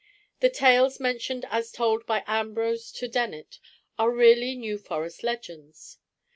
The tales mentioned as told by Ambrose to Dennet are really New Forest legends.